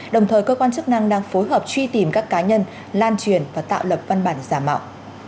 đồng thời cơ quan chức năng đang phối hợp truy tìm các cá nhân lan truyền và tạo lập văn bản giả mạo